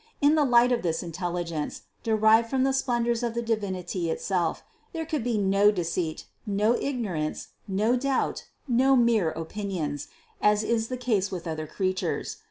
In the light of this intelligence, derived from the splendors of the Divinity itself, there could be no de ceit, no ignorance, no doubt, no mere opinions, as is the case with other creatures.